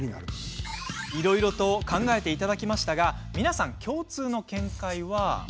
いろいろと考えていただきましたが皆さん共通の見解は。